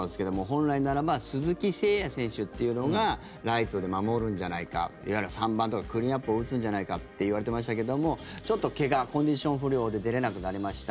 本来ならば鈴木誠也選手というのがライトで守るんじゃないか３番とかクリーンアップを打つんじゃないかっていわれてましたけどもちょっと怪我コンディション不良で出れなくなりました。